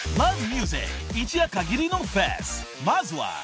［まずは］